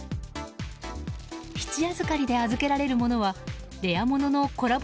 質預かりで預けられるものはレアもののコラボ